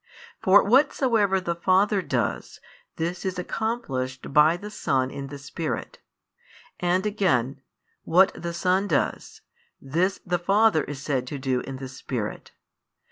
For whatsoever the Father does, this is accomplished by the Son in the Spirit; and again, what the Son does, this the Father is said to do in the Spirit.